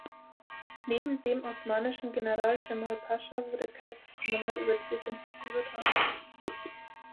Neben dem osmanischen General Cemal Pascha wurde Kreß das Kommando über die Defensive übertragen.